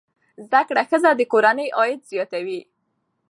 زده کړه ښځه د کورنۍ عاید زیاتوي.